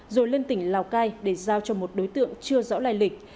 rồi lên tỉnh lào cai để giao cho một đối tượng chưa rõ lai lịch